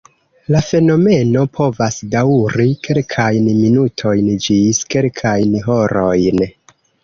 La fenomeno povas daŭri kelkajn minutojn ĝis kelkajn horojn.